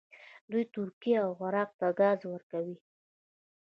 دوی ترکیې او عراق ته ګاز ورکوي.